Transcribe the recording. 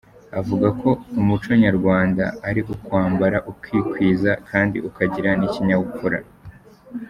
Avuga ko umuco nyarwanda ari ukwambara ukikwiza kandi ukagira n’ikinyabupfura.